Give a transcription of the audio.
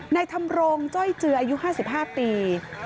ธรรมรงจ้อยเจืออายุ๕๕ปี